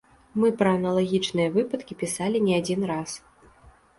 Мы пра аналагічныя выпадкі пісалі не адзін раз.